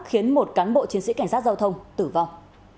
khiến một cán bộ chiến sĩ cảnh sát giao thông tử vong